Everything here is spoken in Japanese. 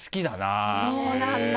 そうなんだ！